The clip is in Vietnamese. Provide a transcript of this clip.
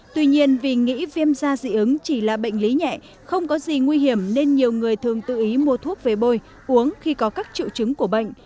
tuy nhiên vì nghĩ viêm da dị ứng chỉ là bệnh lý nhẹ không có gì nguy hiểm nên nhiều người thường tự ý mua thuốc về bôi uống khi có các triệu chứng của bệnh